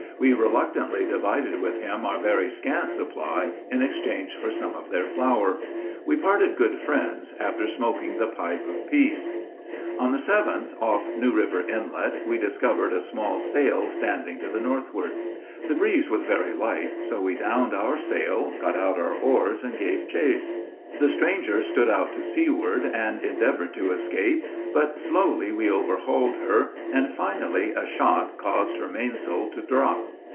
We reluctantly divided with him our very scant supply in exchange for some of their flour. We parted good friends, after smoking the pipe of peace. [Illustration: EXCHANGING THE BOAT FOR THE SLOOP.] On the 7th, off New River Inlet, we discovered a small sail standing to the northward. The breeze was very light, so we downed our sail, got out our oars, and gave chase. The stranger stood out to seaward, and endeavored to escape; but slowly we overhauled her, and finally a shot caused her mainsail to drop.